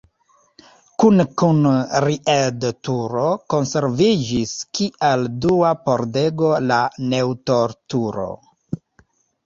Kune kun Ried-turo konserviĝis kiel dua pordego la Neutor-turo.